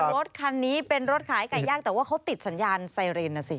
รถคันนี้เป็นรถขายไก่ย่างแต่ว่าเขาติดสัญญาณไซเรนนะสิ